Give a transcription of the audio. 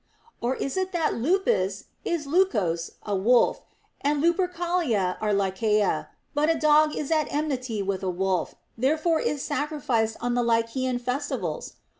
Or is it that lupus is λνχος, a wolf, and Lupercalia are Lycaea ; but a dog is at enmity with a wolf, therefore is sacrificed on the Lycaean festivals